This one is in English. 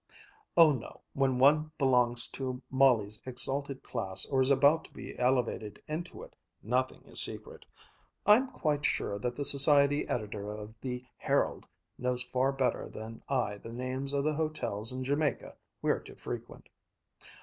"Oh no, when one belongs to Molly's exalted class or is about to be elevated into it, nothing is secret. I'm quite sure that the society editor of the Herald knows far better than I the names of the hotels in Jamaica we're to frequent."